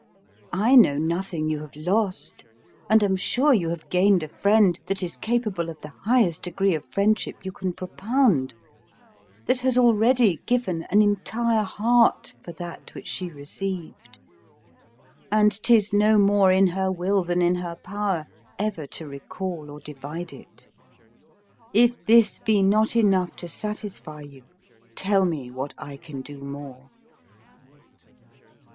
I know nothing you have lost, and am sure you have gained a friend that is capable of the highest degree of friendship you can propound, that has already given an entire heart for that which she received, and 'tis no more in her will than in her power ever to recall it or divide it; if this be not enough to satisfy you, tell me what I can do more?